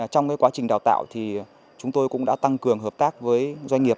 trong quá trình đào tạo thì chúng tôi cũng đã tăng cường hợp tác với doanh nghiệp